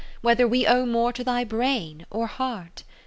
Whether we owe more to thy brain or heart.